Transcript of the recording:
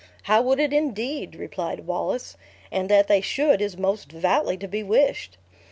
"How would it, indeed!" replied Wallace; "and that they should is most devoutly to be wished.